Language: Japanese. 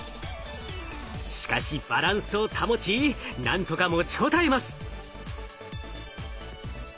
しかしバランスを保ちなんとか持ちこたえます。